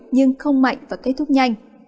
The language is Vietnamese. nhưng không mạnh và kết thúc nhanh